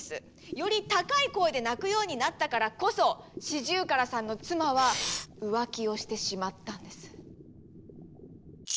より高い声で鳴くようになったからこそシジュウカラさんの妻は浮気をしてしまったんです。